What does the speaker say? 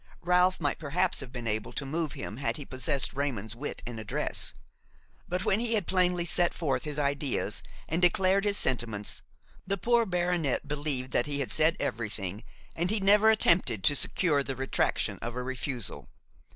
Ralph might perhaps have been able to move him had he possessed Raymon's wit and address; but when he had plainly set forth his ideas and declared his sentiments, the poor baronet believed that he had said everything, and he never attempted to secure the retraction of a refusal.